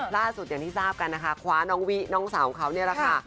ล่าสุดอย่างที่ทราบกันนะคะคว้าน้องวิน้องสาวของเขาเนี่ยแหละค่ะ